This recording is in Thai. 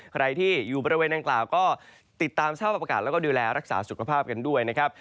ใครที่อยู่บริเวณดังกล่าวก็ติดตามสภาพอากาศแล้วก็ดูแลรักษาสุขภาพกันด้วยนะครับ